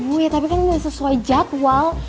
oh ya tapi kan ini udah sesuai jadwal